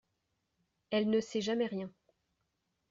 Elle ne sait jamais rien !